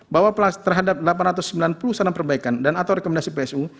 bahwa terhadap delapan ratus sembilan puluh salam perbaikan dan atau rekomendasi psu